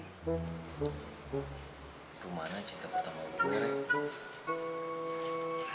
bagaimana cinta pertama perempuan